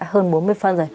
hơn bốn mươi phân rồi